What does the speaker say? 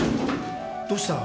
どうした？